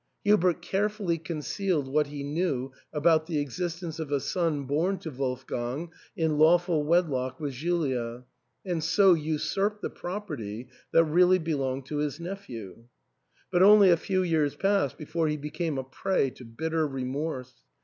Hubert carefully concealed what he knew about the existence of a son born to Wolfgang in lawful wedlock with Julia, and so usurped the property that really belonged to his nephew. But only a few years passed before he became a prey to bitter remorse.